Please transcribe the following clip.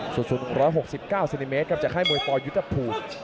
สุด๑๖๙ซินิเมตรครับจากไข้มวยปอยุธภูมิ